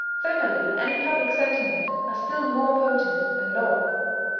Family and public sentiment are still more potent than law.